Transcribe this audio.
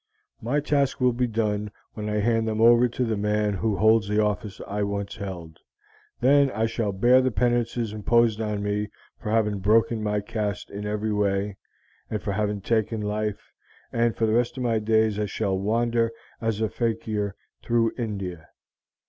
My task will be done when I hand them over to the man who holds the office I once held; then I shall bear the penances imposed on me for having broken my caste in every way, and for having taken life, and for the rest of my days I shall wander as a fakir through India.